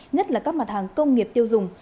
nhất là các mặt hàng công nghiệp tiêu dùng